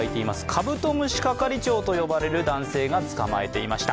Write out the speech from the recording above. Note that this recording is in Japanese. カブトムシ係長と呼ばれる男性が捕まえていました。